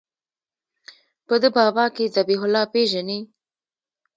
په ده بابا کښې ذبيح الله پېژنې.